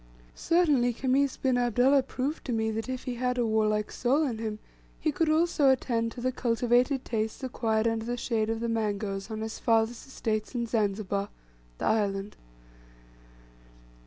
Certainly Khamis bin Abdullah proved to me that if he had a warlike soul in him, he could also attend to the cultivated tastes acquired under the shade of the mangoes on his father's estates in Zanzibar the island.